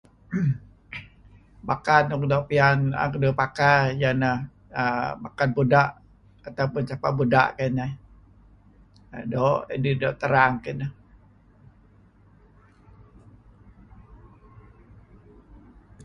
Bakad nuk doo' pian 'en keduih pakai ieh ineh bakad buda' atau pun sapa' buda' kayu' kineh. Doo' idih doo' terang kineh.